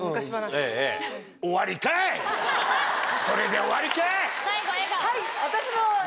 それで終わりかい！